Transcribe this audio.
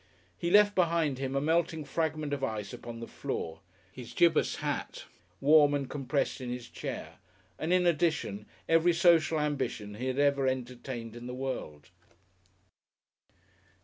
He left behind him a melting fragment of ice upon the floor, his gibus hat, warm and compressed in his chair, and in addition every social ambition he had ever entertained in the world.